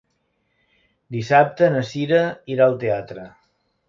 Dissabte na Cira irà al teatre.